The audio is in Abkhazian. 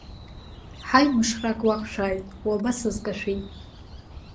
Ҳаи, мышрак уақәшәааит, уабасызкашәеи.